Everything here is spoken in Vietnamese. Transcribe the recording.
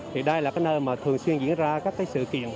thì đây là nơi thường xuyên diễn ra các sự kiện